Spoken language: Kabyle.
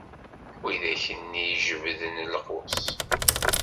Widak-nni ijebbden lqus.